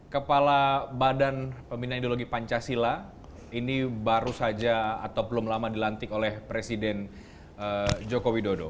kepala badan pembinaan ideologi pancasila ini baru saja atau belum lama dilantik oleh presiden joko widodo